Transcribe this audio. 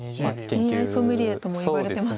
ＡＩソムリエともいわれてますもんね。